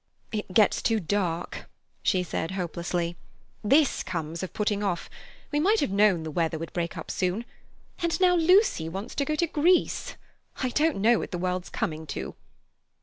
"It gets too dark," she said hopelessly. "This comes of putting off. We might have known the weather would break up soon; and now Lucy wants to go to Greece. I don't know what the world's coming to."